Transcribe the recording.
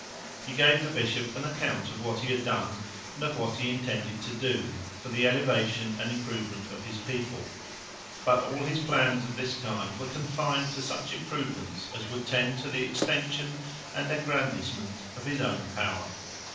He gave the bishop an account of what he had done, and of what he intended to do, for the elevation and improvement of his people; but all his plans of this kind were confined to such improvements as would tend to the extension and aggrandizement of his own power.